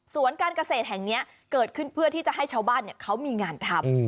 การเกษตรแห่งนี้เกิดขึ้นเพื่อที่จะให้ชาวบ้านเขามีงานทำ